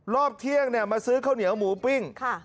รอบเที่ยงมาซื้อข้าวเหนียวหมูปิ้ง